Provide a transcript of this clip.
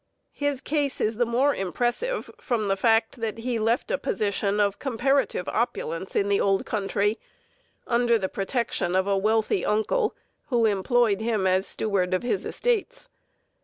His case is the more impressive from the fact that he left a position of comparative opulence in the old country, under the protection of a wealthy uncle who employed him as steward of his estates.